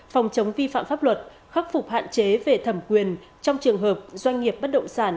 phòng chống vi phạm pháp luật khắc phục hạn chế về thẩm quyền trong trường hợp doanh nghiệp bất động sản